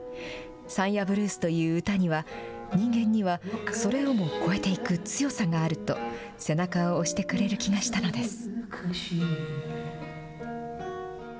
山谷ブルースという歌には、人間には、それをも超えていく強さがあると、背中を押してくれる気がしたのです。